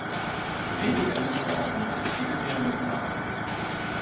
Weniger mit Worten als vielmehr mit Taten.